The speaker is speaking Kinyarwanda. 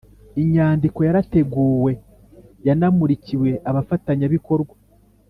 Inyandiko yarateguwe yanamurikiwe abafatanyabikorwa